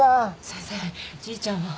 先生じいちゃんは？